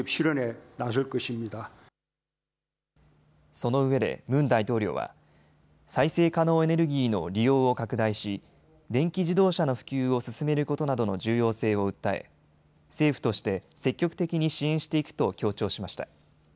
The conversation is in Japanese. そのうえでムン大統領は再生可能エネルギーの利用を拡大し電気自動車の普及を進めることなどの重要性を訴え、政府として積極的に支援していくと強調しました。